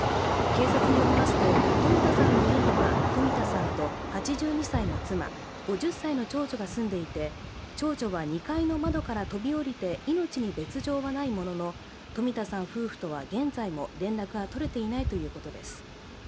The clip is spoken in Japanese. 警察によりますと、冨田さんの家には冨田さんと８２歳の妻、５０歳の長女が住んでいて、長女は２階の窓から飛び降りて命に別状はないものの冨田さん夫婦とは現在も連絡が取れていないということです。